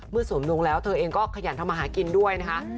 เมื่อส่วนมนุษย์แล้วเธอเองก็ขยันทำมาหากินด้วยนะคะ